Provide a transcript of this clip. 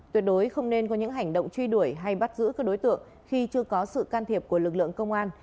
tuyệt đối không nên có những hành động truy đuổi hay bắt giữ các đối tượng khi chưa có sự can thiệp của lực lượng công an